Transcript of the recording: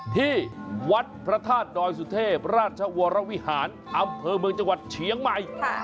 ที่วัดพระธาตุดอยสุเทพราชวรวิหารอำเภอเมืองจังหวัดเชียงใหม่